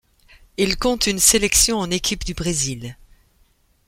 Il compte une sélection en équipe du Brésil.